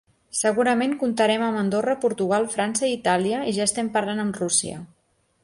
Segurament comptarem amb Andorra, Portugal, França i Itàlia i ja estem parlant amb Rússia.